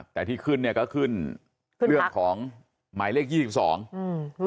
แต่ที่ขึ้นเนี้ยก็ขึ้นเรื่องของหมายเลขยี่สิบสองอืม